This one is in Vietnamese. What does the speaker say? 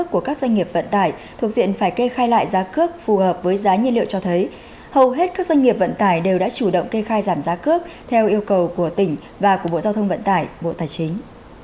các doanh nghiệp vận tải thuộc diện phải kê khai lại giá cước phù hợp với giá nhiên liệu cho thấy hầu hết các doanh nghiệp vận tải đều đã chủ động kê khai giảm giá cước theo yêu cầu của tỉnh và của bộ giao thông vận tải bộ tài chính